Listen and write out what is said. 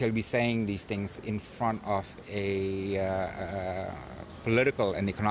pengalaman dan sudut pandangnya sebagai mantan salah satu orang terkuat